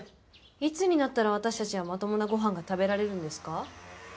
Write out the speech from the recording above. いつになったら私たちはまともなご飯が食べられるんですか？